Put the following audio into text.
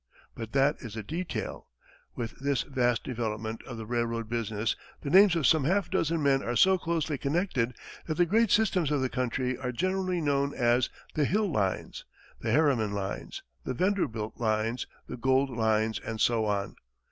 But that is a detail. With this vast development of the railroad business the names of some half dozen men are so closely connected that the great systems of the country are generally known as the Hill lines, the Harriman lines, the Vanderbilt lines, the Gould lines, and so on.